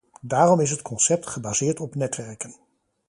Daarom is het concept gebaseerd op netwerken.